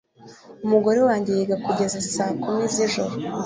Umugore wanjye yiga kugeza saa kumi z'ijoro